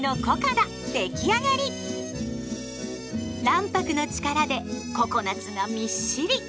卵白の力でココナツがみっしり。